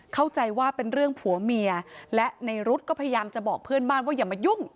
เข้าใจว่าเป็นเรื่องผัวเมียและในรุ๊ดก็พยายามจะบอกเพื่อนบ้านว่าอย่ามายุ่ง